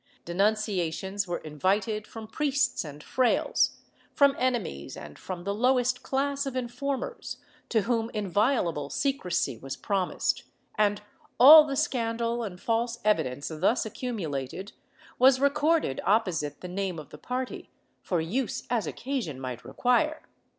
Denunciations were invited from priests and frailes, from enemies and from the lowest class of informers, to whom inviolable secrecy was promised, and all the scandal and false evidence thus accumulated was recorded opposite the name of the party, for use as occasion might require.